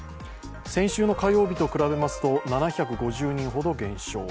先週の火曜日と比べますと７５１人ほど減少。